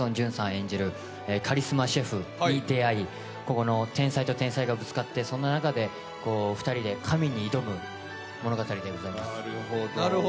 演じるカリスマシェフに出会い、天才と天才がぶつかって、そんな中で２人で神に挑む物語でございます。